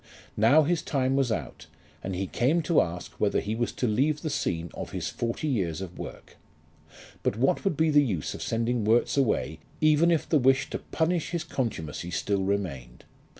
Now his time was out, and he came to ask whether he was to leave the scene of his forty years of work. But what would be the use of sending Worts away even if the wish to punish his contumacy still remained?